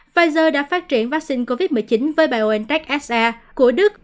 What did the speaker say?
pfizer đã phát triển vaccine covid một mươi chín với biontech sa của đức